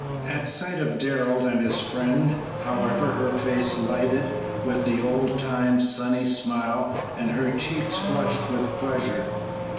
At sight of Darrell and his friend, however, her face lighted with the old time, sunny smile and her cheeks flushed with pleasure.